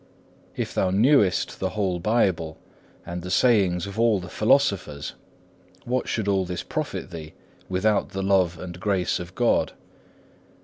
If thou knewest the whole Bible, and the sayings of all the philosophers, what should all this profit thee without the love and grace of God?